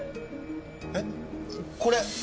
えっこれ！